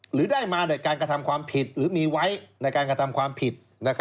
หรือได้มาโดยการกระทำความผิดหรือมีไว้ในการกระทำความผิด